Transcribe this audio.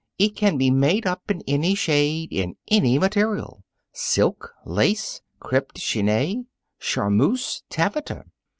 It can be made up in any shade, in any material silk, lace, crepe de Chine, charmeuse, taffeta.